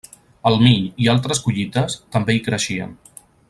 El mill i altres collites també hi creixien.